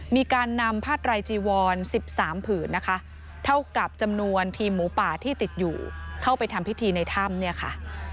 มีการนำผ้าไตรจีวร๑๓ผืนนะคะเท่ากับจำนวนทีมหมูป่าที่ติดอยู่เข้าไปทำพิธีในถ้ำเนี่ยค่ะ